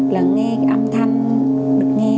lần nghe âm thanh được nghe